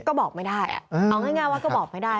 ก็บอกไม่ได้เอาง่ายว่าก็บอกไม่ได้